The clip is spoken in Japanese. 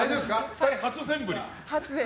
２人初センブリ？